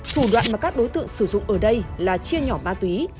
thủ đoạn mà các đối tượng sử dụng ở đây là chia nhỏ ma túy